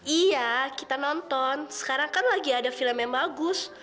iya kita nonton sekarang kan lagi ada film yang bagus